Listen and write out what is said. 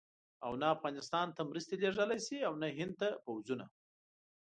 او نه افغانستان ته مرستې لېږلای شي او نه هند ته پوځونه.